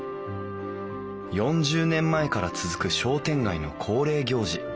４０年前から続く商店街の恒例行事